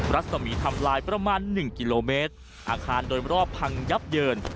รัศมีทำลายประมาณ๑กิโลเมตรอาคารโดยรอบพังยับเยิน